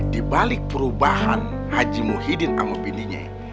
di balik perubahan haji muhyiddin sama bininya